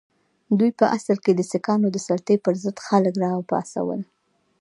دوی په اصل کې د سیکهانو د سلطې پر ضد خلک را وپاڅول.